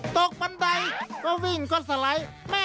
ตกปันไดก็วิ่งก็สลัย